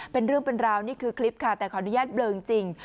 เป็นเรื่องเป็นราวนี่คือคลิปค่ะแต่ขออนุญาตเบลอจริง